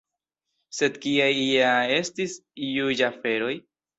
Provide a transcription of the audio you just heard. Sed kiaj ja estis juĝaferoj?!